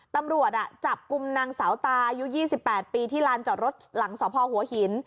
ตำรวจจับกลุ่มนางสาวตาอายุ๒๘ปีที่ลานจอดรถหลังสพหัวหิน